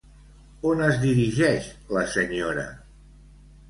On es dirigeix la senyora?